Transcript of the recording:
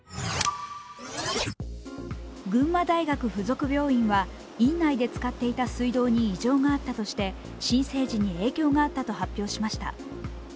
群馬大学附属病院は院内で使っていた水道に異常があったとして新生児に影響があったと発表しました。